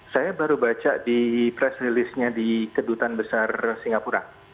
saya baru baca di press release nya di kedutan besar singapura